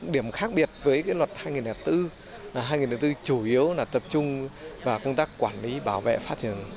điểm khác biệt với luật hai nghìn một mươi bốn là hai nghìn một mươi bốn chủ yếu là tập trung vào công tác quản lý bảo vệ phát triển